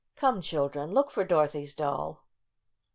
Come, children, look for Dorothy's doll."